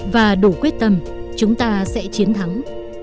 và đủ quyết tâm chúng ta sẽ chiến thắng